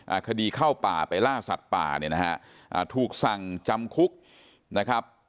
คดีเข้าป่าไปล่าสัตว์ป่าเนี่ยนะฮะอ่าถูกสั่งจำคุกนะครับ